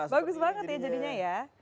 bagus banget jadinya ya